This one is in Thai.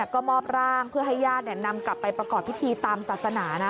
ก็มอบร่างเพื่อให้ญาตินำกลับไปประกอบพิธีตามศาสนานะ